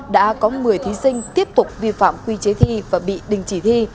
đã có một mươi thí sinh tiếp tục vi phạm quy chế thi và bị đình chỉ thi